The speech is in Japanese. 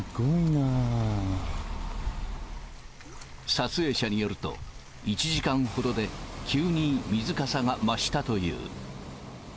撮影者によると、１時間ほどで急に水かさが増したという。